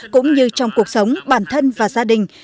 cũng như trong cuộc sống bản thân và gia đình